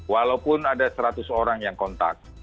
walaupun ada seratus orang yang kontak